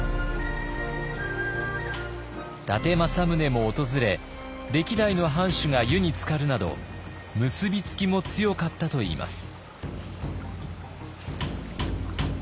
伊達政宗も訪れ歴代の藩主が湯につかるなど結び付きも強かったといいます。